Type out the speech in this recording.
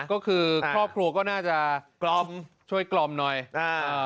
ก็คือครอบครัวก็น่าจะกล่อมช่วยกล่อมหน่อยอ่า